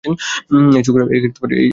এই ছোকরা আবার কে?